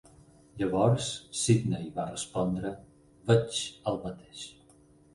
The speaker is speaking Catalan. Llavors Sidney va respondre: "Veig el mateix.